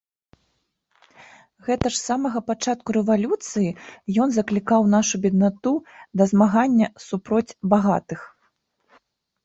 Гэта ж з самага пачатку рэвалюцыі ён заклікаў нашу беднату да змагання супроць багатых.